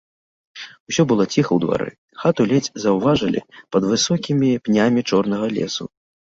Усё было ціха ў двары, хату ледзь заўважылі пад высокімі пнямі чорнага лесу.